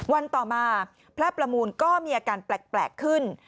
วันต่อมาพระประมูลก็มีอาการแปลกขึ้น